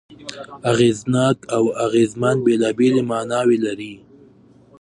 اغېزناک او اغېزمن بېلابېلې ماناوې لري.